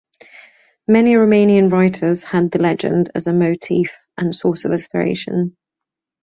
Many Romanian writers had the legend as a motif and source of inspiration.